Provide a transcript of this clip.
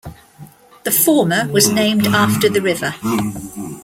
The former was named after the river.